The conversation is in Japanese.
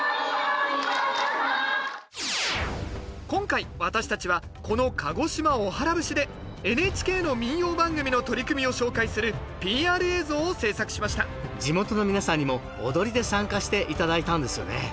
今回私たちはこの「鹿児島おはら節」でＮＨＫの民謡番組の取り組みを紹介するＰＲ映像を制作しました地元の皆さんにも踊りで参加して頂いたんですよね